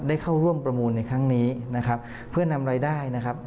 เข้าร่วมประมูลในครั้งนี้นะครับเพื่อนำรายได้นะครับ